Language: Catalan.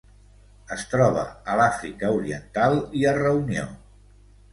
Es troba a l'Àfrica Oriental i a Reunió.